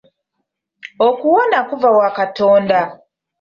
Okuwona kuva wa katonda.